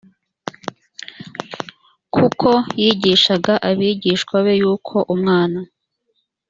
kuko yigishaga abigishwa be yuko umwana